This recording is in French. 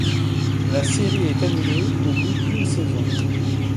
La série est annulé au bout d'une saison.